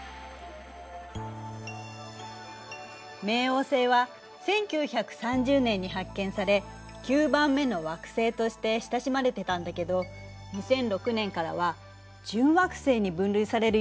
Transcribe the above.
冥王星は１９３０年に発見され９番目の惑星として親しまれてたんだけど２００６年からは準惑星に分類されるようになったの。